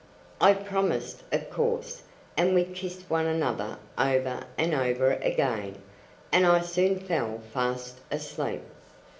I promised, of course; and we kissed one another over and over again, and I soon fell fast asleep.